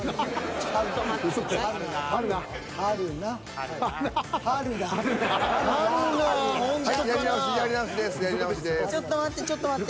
ちょっと待ってちょっと待って。